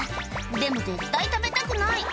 でも絶対食べたくない。